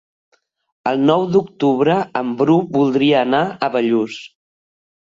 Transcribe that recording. El nou d'octubre en Bru voldria anar a Bellús.